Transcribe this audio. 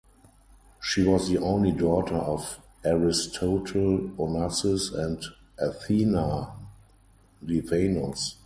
She was the only daughter of Aristotle Onassis and Athina Livanos.